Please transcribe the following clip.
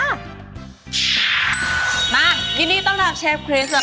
มายินดีต้อนรับเชฟคริสแล้วก็เชฟกันอีกรอบหนึ่ง